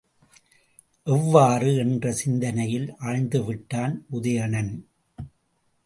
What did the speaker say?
எவ்வாறு? என்ற சிந்தனையில் ஆழ்ந்துவிட்டான் உதயணன்.